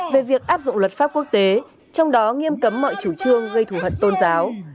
về việc áp dụng luật pháp quốc tế trong đó nghiêm cấm mọi chủ trương gây thủ hận tôn giáo